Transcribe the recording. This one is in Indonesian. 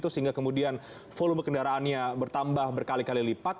sehingga kemudian volume kendaraannya bertambah berkali kali lipat